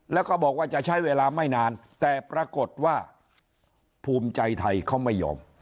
แล้วก็บอกว่าจะใช้เวลาไม่นานแต่ปรากฏว่าภูมิใจไทยเขาไม่ยอม